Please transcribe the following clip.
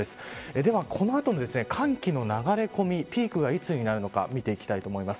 では、この後の寒気の流れ込みピークがいつになるのか見ていきたいと思います。